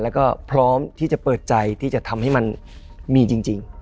และพร้อมที่จะเปิดใจทำให้มันจริง